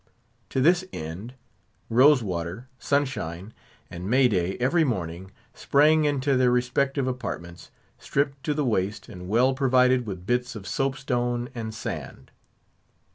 To this end, Rose water, Sunshine, and May day every morning sprang into their respective apartments, stripped to the waist, and well provided with bits of soap stone and sand.